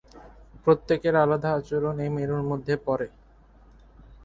প্রত্যেকের আলাদা আচরণ এই মেরুর মধ্যে পড়ে।